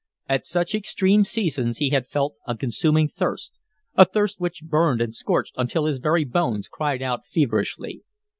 At such extreme seasons he had felt a consuming thirst, a thirst which burned and scorched until his very bones cried out feverishly.